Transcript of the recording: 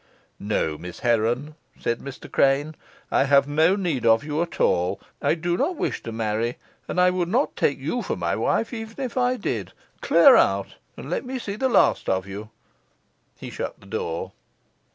"No, Miss Heron," said Mr. Crane; "I have no need of you at all. I do not wish to marry, and I would not take you for my wife even if I did. Clear out, and let me see the last of you." He shut the door.